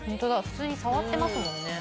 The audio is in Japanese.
普通に触ってますもんね。